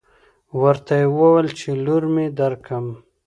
ورته يې وويل چې لور مې درکم.